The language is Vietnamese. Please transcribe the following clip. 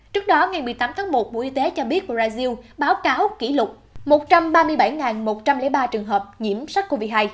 trước đó ngày một mươi tám tháng một bộ y tế cho biết brazil báo cáo kỷ lục một trăm ba mươi bảy một trăm linh ba trường hợp nhiễm sars cov hai